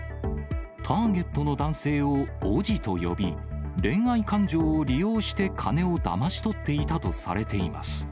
ターゲットの男性をおぢと呼び、恋愛感情を利用して金をだまし取っていたとされています。